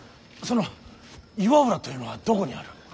その岩浦というのはどこにある。